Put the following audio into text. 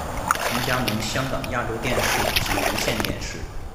曾加盟香港亚洲电视及无线电视。